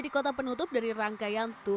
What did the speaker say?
dalam sepanjang waktu